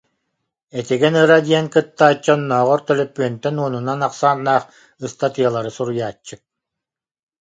Этигэн Ыра диэн кыттааччы оннооҕор төлөпүөнтэн уонунан ахсааннаах ыстатыйалары суруйааччы